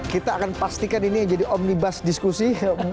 kita akan pastikan ini yang jadi omnibus diskusi